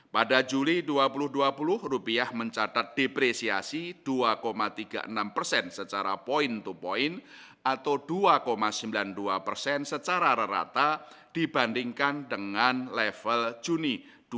pada juli dua ribu dua puluh rupiah mencatat depresiasi dua tiga puluh enam persen secara point to point atau dua sembilan puluh dua persen secara rata dibandingkan dengan level juni dua ribu dua puluh